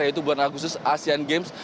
yaitu beranak khusus asean games